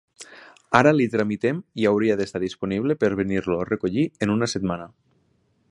Ara li tramitem i hauria d'estar disponible per venir-lo a recollir en una setmana.